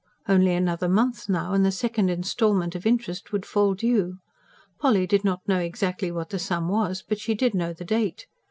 Only another month now, and the second instalment of interest would fall due. Polly did not know exactly what the sum was; but she did know the date.